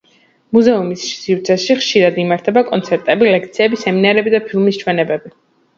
მუზეუმის სივრცეში ხშირად იმართება კონცერტები, ლექციები, სემინარები და ფილმების ჩვენებები.